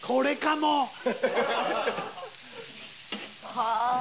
はあ！